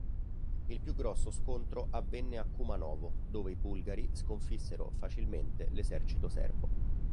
Il più grosso scontro avvenne a Kumanovo, dove i Bulgari sconfissero facilmente l'esercito serbo.